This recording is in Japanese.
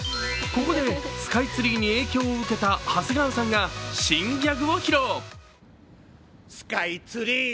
ここでスカイツリーに影響を受けた長谷川さんが新ギャグを披露。